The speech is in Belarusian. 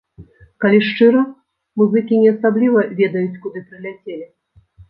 Калі шчыра, музыкі не асабліва ведаюць, куды прыляцелі.